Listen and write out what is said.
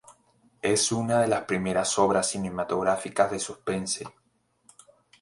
Es una de las primeras obras cinematográficas de suspense.